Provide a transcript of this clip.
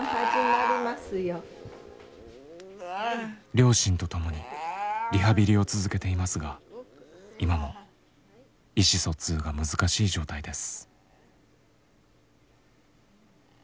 両親と共にリハビリを続けていますが今も意思疎通が難しい状態です。